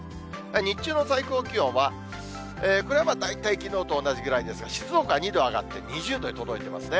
日中の最高気温は、これは大体きのうと同じぐらいですが、静岡２度上がって、２０度に届いてますね。